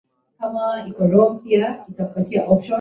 Natamka maneno mengi